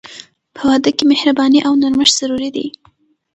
په واده کې مهرباني او نرمښت ضروري دي.